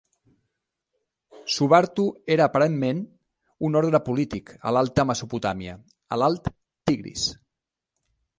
Subartu era aparentment un ordre polític a l"alta Mesopotàmia, a l"alt Tigris.